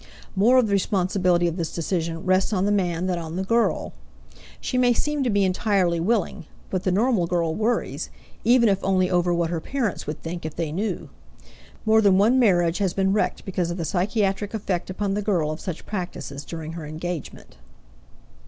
More of the responsibility of this decision rests on the man than on the girl. She may seem to be entirely willing, but the normal girl worries, even if only over what her parents would think if they knew. More than one marriage has been wrecked because of the psychiatric effect upon the girl of such practices during her engagement.